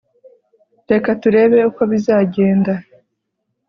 reka turebe uko bizagenda